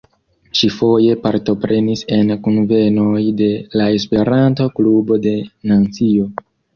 Ŝi foje partoprenis en kunvenoj de la Esperanto-Klubo de Nancio.